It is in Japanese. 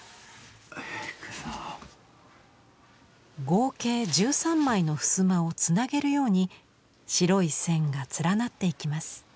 合計１３枚の襖をつなげるように白い線が連なっていきます。